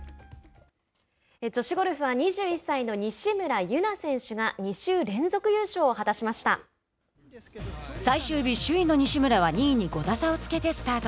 女子ゴルフは２１歳の西村優菜選手が最終日、首位の西村は２位に５打差をつけてスタート。